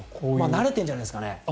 慣れてるんじゃないですかね。